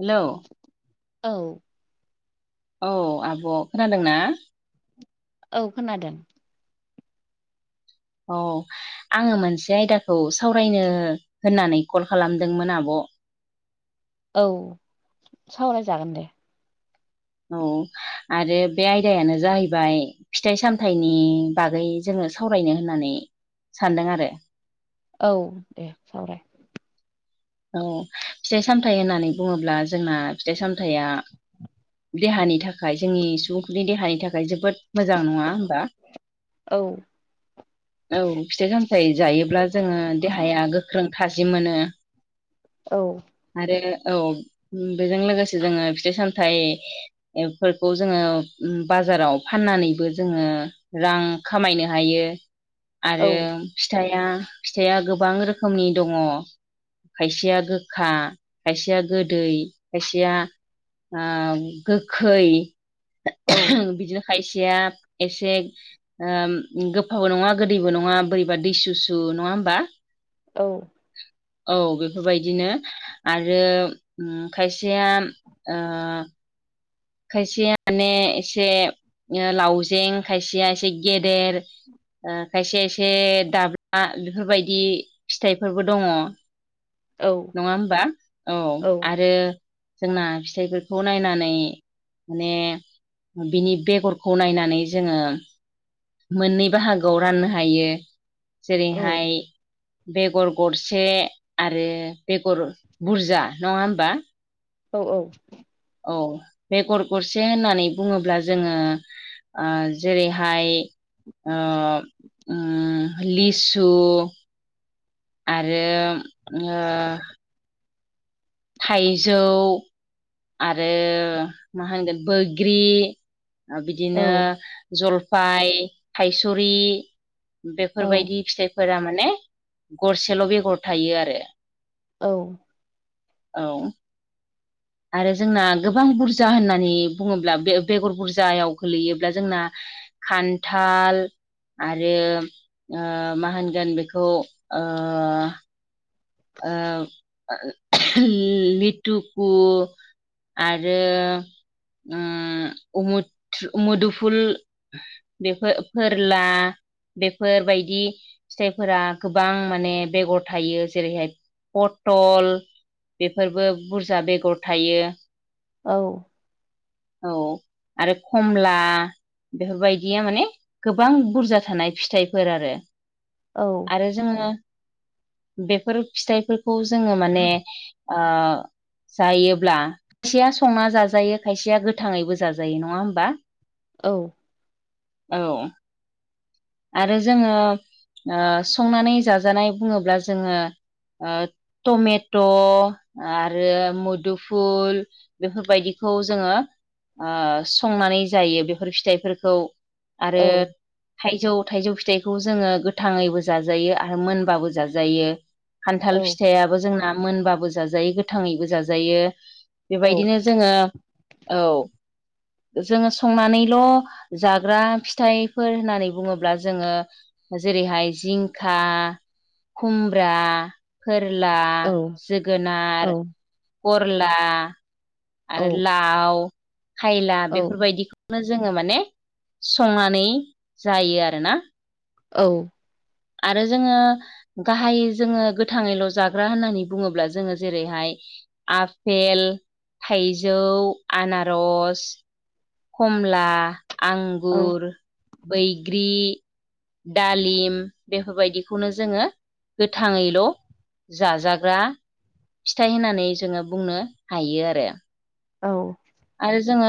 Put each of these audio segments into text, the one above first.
Hello औ औ आब' खोनादोंना औ खोनादों औ आङो मोनसे आयदाखौ सावरायनो होननानै कल खालामदोंमोन आब' औ सावरायजागोन दे औ आरो बे आयदायानो जाहैबाय फिथाइ सामथाइनि बागै जोङो सावरायनो होननानै सानदों आरो औ दे सावराय औ फिथाइ सामथाइ होननानै बुङोब्ला जोंना फिथाइ सामथाया देहानि थाखाय जोंनि सुबुंफोरनि देहानि थाखाय जोबोद मोजां नङा होमबा औ औ फिथाइ सामथाइ जायोब्ला जोङो देहाया गोख्रों थाजिम मोनो औ आरो औ बेजों लोगोसे जोङो फिथाइ सामथाइ बेफोरखौ जोङो बाजाराव फाननानैबो जोङो रां खामायनो हायो औ आरो फिथाया फिथाया गोबां रोखोमनि दङ खायसेया गोखा खायसेया गोदै खायसेया गोखै औ बिदिनो ओ खायसेया एसेसो गोफाबो नङा गोदैबो नङा बोरैबा दैसुसु नङा होमबा? औ। औ बेफोरबादिनो आरो ओम खायसेया ओ खायसेया मान एसे लावजें खायसेया एसे गेदेर ओ खायसे खायसे दाब्ला बेफोरबायदि फिथाइफोरबो दङ। औ नङा होमबा औ आरो जोंना फिथाइफोरखौ नायनानै माने बिनि बेगरखौ नायनानै जोङो मोननै बाहागोआव राननो हायो जेरैहायो बेगर गरसे आरो बेगर बुरजा नङा होमबा? औ औ। औ बेगर गरसे होननानै बुङोब्ला जोङो जेरैहायो आ ओ लिसु आरो थाइजौ आरो मा होनगोन बोग्रि बिदिनो जलफाय थाइसुरि औ बेफोरबायदि फिथाइफोरा माने गरसेल' बेगर थायो आरो। औ। औ। आरो जोंना गोबां बुरजा होननानै बुङोब्ला बे बेगर बुरजायाव गोलैयोब्ला। खान्थाल आरो मा होनगोन बेखौ ओ आ लिथुखौ आरो उमु मुदुफुल बेफोर फोरला बेफोरबायदि फिथाइफोरा गोबां माने बेगर थायो जेरैहाय पटल बेफोरबो बुरजा बेगर थायो। औ। औ आरो खमला। बेफोरबायदिया माने गोबां बुरजा थानाय फिथाइफोर आरो। औ। आरो जोङो बेफोर फिथाइफोरखौ जोङो माने ओ जायोब्ला खायसेया संना जाजायो खायसेया गोथाङैबो जाजायो नङा होमबा? औ। औ। आरो जोङो संनानै जाजानाय बुङोब्ला जोङो। टमेट' आरो मुदुफुल बेफोरबायदिखौ जोङो संनानै जायो बेफोर फिथाइफोरखौओ अ आरो औ औ थाइजौ थाइजौ फिथाइखौ जोङो गोथाङैबो जाजायो आरो मोनबाबो जाजायो। खान्थाल फिथाइयाबो जोंना मोनबाबो जाजायो गोथाङैबो जाजायो बेबादिनो जोङो औ जोङो संनानैल' जाग्रा फिथाइफोर होननानै बुङोब्ला जोङो जेरैहाय जिंखा, खुमब्रा फोरला जोगोनार बरला आरो लाव खायला बेफोरबायदिखौ नो जोङो माने संनानै जायो आरोना। औ आरो जोङो गाहायै जोङो गोथाङैल' जाग्रा होननानै बुङोब्ला जोङो जेरैहाय आपेल थाइजौ आनारस खमला आंगुर बैग्रि दालिम बेफोरबायदिखौनो जोङो गोथाङैल जाजाग्रा फिथाइ होननानै जोङो बुंनो हायो आरो। औ आरो जोङो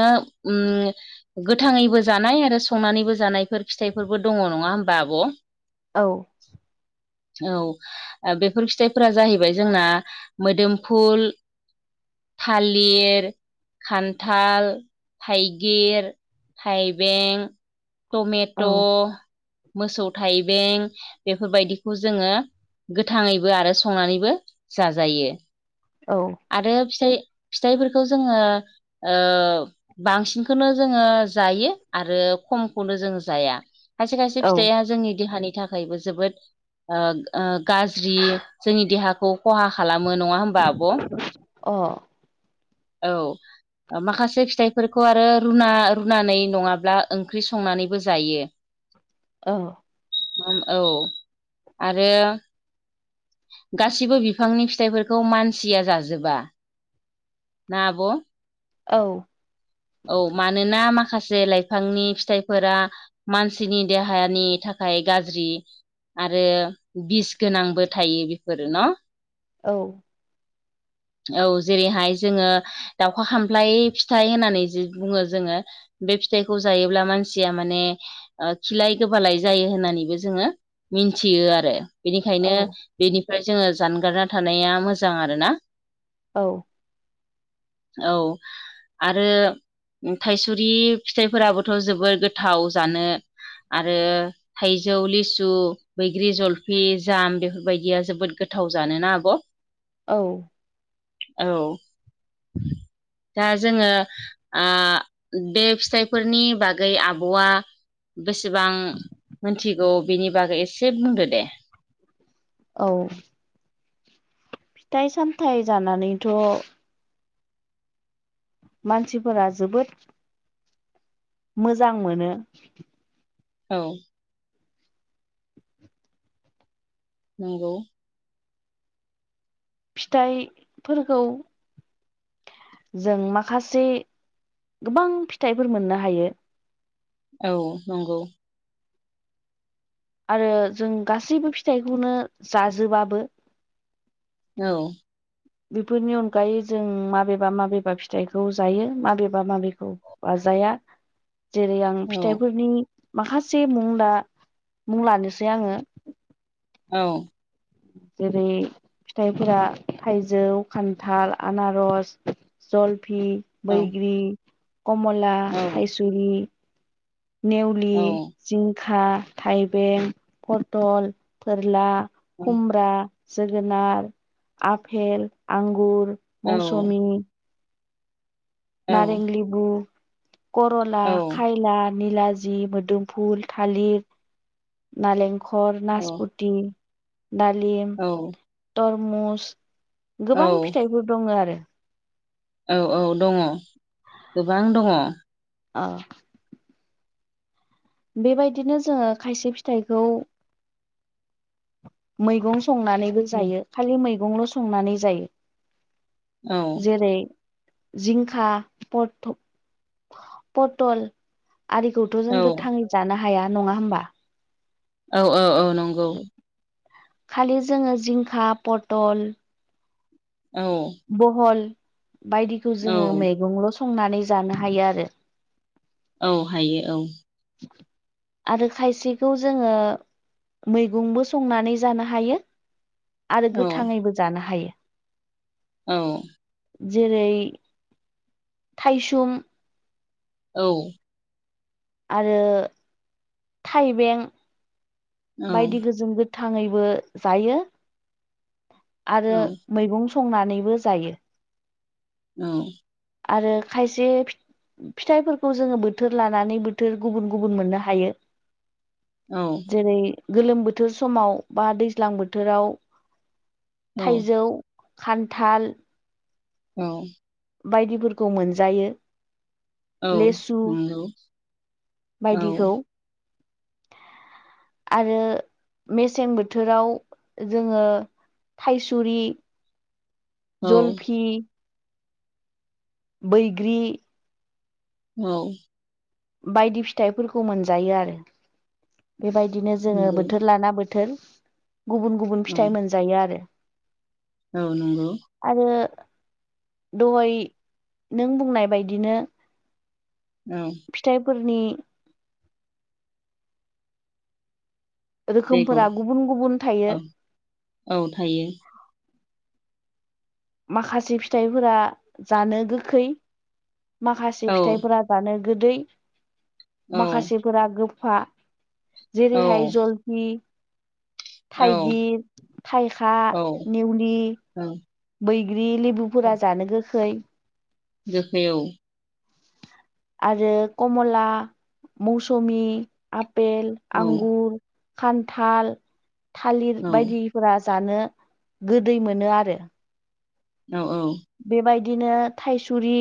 उम गोथाङैबो जानाय आरो स संनानैबो जानायफोर फिथाइफोरबो दङ नङा होमबा आब? औ औ बेफोर फिथाइफोरा जाहैबाय जोंना मोदोमफुल थालिर खान्थाल थाइगिर थाइबें टमेट मोसौ थाइबें बेफोरबायदि खौ जोङो गोथाङैबो आरो संनानैबो जाजायो। औ आरो फिथाइ फिथाइफोरखौ जोङो ओ बांसिनखौनो जोङो जायो आरो खमखौनो जों जाया। खायसे खायसे फिथाइया जोंनि देहानि थाखायबो जोबोद ओ ओ गाज्रि जोंनि देहाखौ खहा खालामो नङा होमबा आब। अ औ ओ माखासे फिथाइफोरखौ आरो रुना रुनानै नङाब्ला ओंख्रि संनानैबो जायो। [inaudible] औ औ आरो गासिबो बिफांनि फिथाइफोरखौ मानसिया जाजोबा ना आब? औ औ मानोना माखासे लाइफांनि फिथाइफोरा मानसिनि देहानि थाखाय गाज्रि आरो बिस गोनांबो थायो बेफोरो न? औ औ जेरैहाय जोङो दाउखा खामफ्लाय फिथाइ होननानै जि बुङो जोङो बे फिथाइखौ जायोब्ला मानसिया माने ओ खिलाय गोबालाय जायो होननानैबो जोङो मिन्थियो आरो। बेनिखायनो बेनिफ्राय जोङो जानगारना थानाया मोजां आरोना। औ औ आरो थाइसुरि फिथाइफोराबोथ जोबोर गोथाव जानो आरो थाइजौ लिसु बैग्रि जलफि जाम बेफोरबायदिया जोबोद गोथाव जानोना आब? [inaudible] औ औ दा जोङो आं बे फिथाइफोरनि बागै आबआ बेसेबां मोनथिगौ बेनि बागै एसे बुंदो दे? औ फिथाइ सामथाइ जानानैथ मानसिफोरा जोबोद मोजां मोनो औ नंगौ फिथाइफोरखौ जों माखासे गोबां फिथाइफोर मोननो हायो औ नंगौ आरो जों गासैबो फिथाइखौनो जाजोबाबो औ बेफोरनि अनगायै जों माबेबा माबेबा फिथाइखौ जायो माबेबा माबेखौ जाया जेरै आं औ फिथाइफोरनि माखासे मुं दा मुं लानोसै आङो औ जेरै फिथाइफोरा थाइजौ, खान्थाल, आनारस, जलफि, औ बैग्रि, कमला, औ थाइसुरि नेवलि, औ जिंखा, थाइबें, पथल, फोरला, खुमब्रा, जोगोनार, आफेल, आंगुर औ मौसमि नारें लेबु करला खायला निला जि मुदुफुल, थालिर, नालेंखर, औ नासपथि दालिम, औ तरमुस गोबां औ फिथाइफोर दङ आरो। औ औ दङ गोबां दङ। अ बेबायदिनो जोङो खायसे फिथाइखौ। मैगं संनानै होजायो खालि मैगंल' संनानै जायो औ जेरै जिंखा पथ' पटल आरिखौथ' जों औ गोथाङै जानो हाया नङा होमबा? औ औ औ नंगौ। खालि जोङो जिंखा, पटल औ बहल बायदिखौ औ जोङो मैगंल' संनानै जानो हायो आरो। औ हायो औ। आरो खायसेखौ जोङो मैगंबो संनानै जानो हायो। आरो औ गोथाङैबो जानो हायो। औ जेरै थाइसुम औ आरो थाइबें औ बायदिखौ जों गोथाङैबो जायो औ आरो मैगं संनानैबो जायो। औ आरो खायसे फिथाइफोरखौ जोङो बोथोर लानानै बोथोर गुबुन गुबुन मोननो हायो। औ जेरै गोलोम बोथोर समाव बा दैज्लां बोथोराव थाइजौ। खान्थाल औ बायदिफोरखौ मोनजायो। औ लेसु नंगौ औ बायदिखौ आरो मेसें बोथोराव जोङो थाइसुरि, जलफि बैग्रि औ बायदि फिथाइफोरखौ मोनजायो आरो। बेबायदिनो जोङो बोथोर लाना बोथोर गुबुन गुबुन फिथाइ मोनजायो आरो। औ नंगौ। आरो दहय नों बुंनाय बायदिनो औ फिथाइफोरनि बेगर रोखोमफोरा गुबुन गुबुन थायो औ औ थायो। माखासे फिथाइफोरा जानो गोखै माखासे औ फिथाइफोरा जानो गोदै औ माखासेफोरा गोफा औ जेरैहाय जल फि औ थाइगिर थाइखा नेवनि बैग्रि लेबुफोरा जानो गोखै गोखै औ आरो कमला मौसुमि आपेल औ आंगुर खान्थाल थालिर औ बायदि फोरा जानो गोदै मोनो आरो औ-औ बेबायदिनो थाइसुरि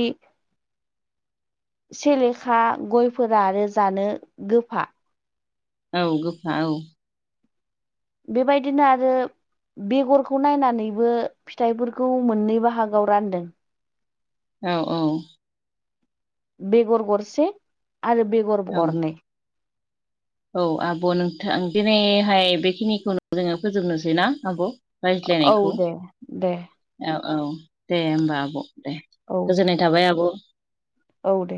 सेलेखा गयफोरा आरो जानो गोफा औ गोखा औ बेबायदिनो आरो बेगरखौ नायनानैबो फिथाइफोरखौ मोननै बाहागोआव रानदों औ-औ बेगर गरसे आरो बेगर औ गरनै औ आब' नोंथां दिनैहाय बेखिनिखौनो जोङो फोजोबनोसै ना आब' औ रायज्लायनायखौ दे दे औ-औ दे होमबा आब' दे औ दे गोजोननाय थाबाय आब' औ दे